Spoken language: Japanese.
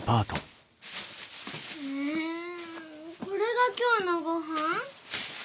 えこれが今日のごはん？